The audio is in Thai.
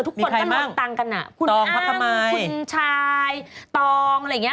คุณอามคุณชายตองัฏทมัย